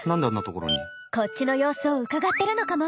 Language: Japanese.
こっちの様子をうかがってるのかも。